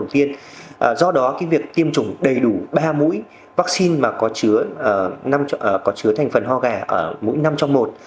phòng tiêm chủng bệnh viện đạo y hà nội cho biết